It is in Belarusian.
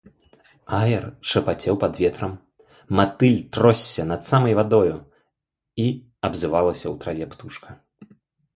Аер шапацеў пад ветрам, матыль тросся над самай вадою, і абзывалася ў траве птушка.